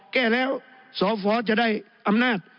แก้แล้วสฟจะได้อำนาจ